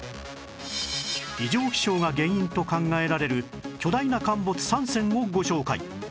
異常気象が原因と考えられる巨大な陥没３選をご紹介